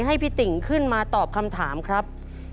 ให้พี่ติ่งขึ้นมาตอบคำถามครับ